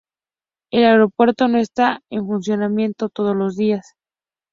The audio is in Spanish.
El aeropuerto no está en funcionamiento todos los días.